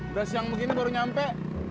udah siang begini baru nyampe